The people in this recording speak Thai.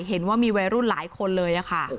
เห็นว่ามีวัยรุ่นหลายคนเลยค่ะ